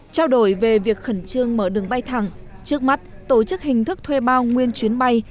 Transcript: trao đổi về việc khẩn trương mở đường bay thẳng trước mắt tổ chức hình thức thuê bao nguyên chuyến bay